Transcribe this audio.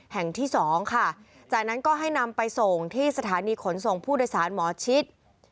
แห่งที่สองค่ะจากนั้นก็ให้นำไปส่งที่สถานีขนส่งผู้โดยสารหมอชิด